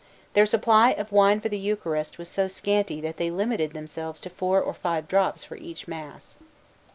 Their supply of wine for the Eucharist was so scanty, that they limited themselves to four or five drops for each mass.